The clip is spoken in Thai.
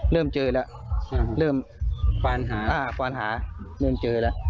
เริ่มเจอแล้วเริ่มความหาอ่าความหาเริ่มเจอแล้ว